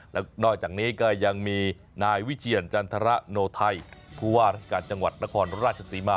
และยังมีนายวิเวลถ้าทราโนไทผู้ว่ารัฐกาลจังหวัดนครราชสีมา